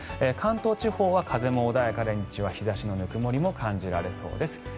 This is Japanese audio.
関東地方は風も穏やかで日中は日差しのぬくもりも感じられそうです。